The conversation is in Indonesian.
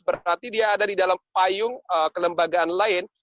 berarti dia ada di dalam payung kelembagaan lain